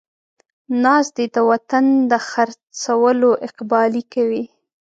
ناست دی د وطن د خر څولو اقبالې کوي